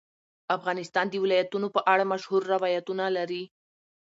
افغانستان د ولایتونو په اړه مشهور روایتونه لري.